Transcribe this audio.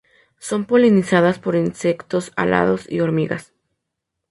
Son polinizadas por insectos alados y hormigas.